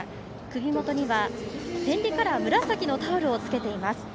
首元には天理カラー紫のタオルをつけています。